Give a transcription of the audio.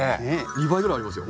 ２倍ぐらいありますよ。